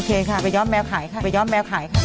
โอเคค่ะไปย้อมแมวไข่ค่ะไปย้อมแมวไข่ค่ะ